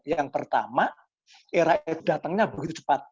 yang pertama era datangnya begitu cepat